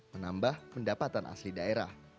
menambah pendapatan asli daerah